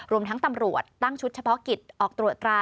รวมทั้งตำรวจตั้งชุดเฉพาะกิจออกตรวจตรา